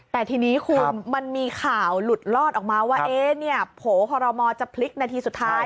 แต่ทีนี้คุณมันมีข่าวหลุดลอดออกมาว่าโผล่คอรมอลจะพลิกนาทีสุดท้าย